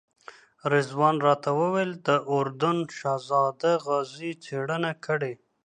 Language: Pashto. رضوان راته وویل د اردن شهزاده غازي څېړنه کړې.